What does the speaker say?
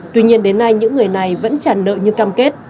tuy nhiên đến nay những người này vẫn trả nợ như cam kết